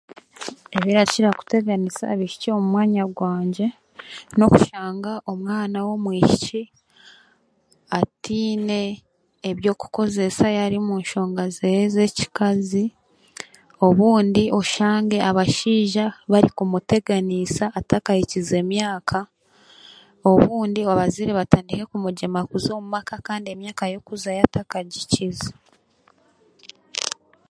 Ebirakira kuteganisa abaishiki omu mwanya gwangye n'okushanga omwana w'omwishiki ataine ebyokukozeesa yaaba ari omu nshonga zeeye z'ekikazi obundi oshange abashaija barikumugeganiisa atakahikize myaka obundi abazaire batandike kumugyema kuza omu maka kandi emyaka y'okuzayo atakagihikize.